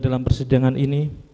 dalam persidangan ini